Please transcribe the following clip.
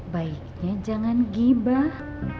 baiknya jangan gibah